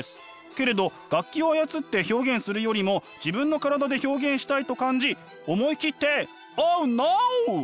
けれど楽器を操って表現するよりも自分の体で表現したいと感じ思い切ってオーノー！